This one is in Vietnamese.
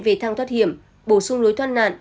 về thăng thoát hiểm bổ sung lối thoát nạn